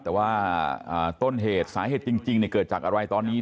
แต่ว่าต้นเหตุสาเหตุจริงเกิดจากอะไรตอนนี้